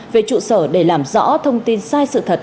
về trụ sở để làm rõ thông tin sai sự thật